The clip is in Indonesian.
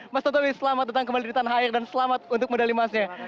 mas totowi selamat datang kembali di tanah air dan selamat untuk medali emasnya